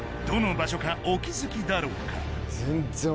どの場所かお気づきだろうか？